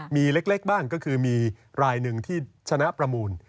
มีเล็กบ้างก็คือมีรายหนึ่งที่ชนะประมูล